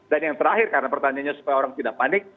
yang terakhir karena pertanyaannya supaya orang tidak panik